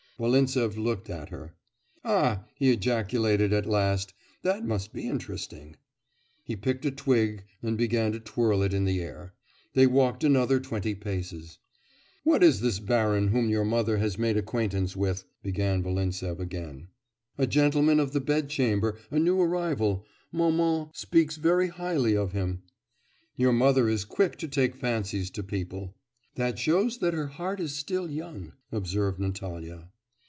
Volintsev looked at her. 'Ah!' he ejaculated at last, 'that must be interesting.' He picked a twig and began to twirl it in the air. They walked another twenty paces. 'What is this baron whom your mother has made acquaintance with?' began Volintsev again. 'A Gentleman of the Bedchamber, a new arrival; maman speaks very highly of him.' 'Your mother is quick to take fancies to people.' 'That shows that her heart is still young,' observed Natalya.